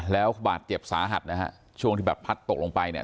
แล้วบาดเจ็บสาหัสนะฮะช่วงที่แบบพัดตกลงไปเนี่ย